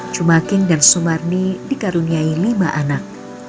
cumaking dan sumarni dikaruniai lima anak